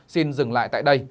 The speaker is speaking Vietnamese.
xin dừng lại tại đây